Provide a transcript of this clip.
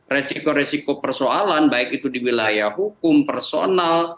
resiko resiko persoalan baik itu di wilayah hukum personal